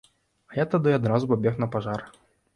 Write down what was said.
А я тады адразу пабег на пажар.